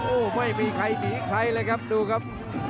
โอ้โหไม่มีใครหนีใครเลยครับดูครับ